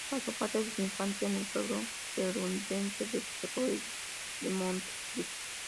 Pasó parte de su infancia en el pueblo gerundense de Torroella de Montgrí.